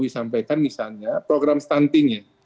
jokowi sampaikan misalnya program stuntingnya